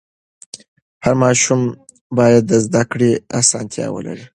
هر ماشوم باید د زده کړې اسانتیا ولري.